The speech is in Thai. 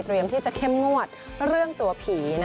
เตรียมที่จะเข้มงวดเรื่องตัวผี